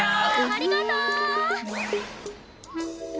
ありがとう！